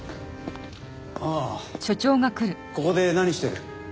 ああここで何してる？